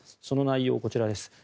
その内容、こちらです。